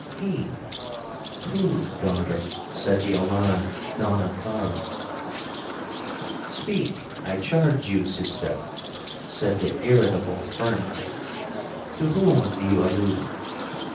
'—'He!—who, daughter?' said the alarmed Donna Clara. 'Speak, I charge you, sister,' said the irritable Fernan, 'to whom do you allude?'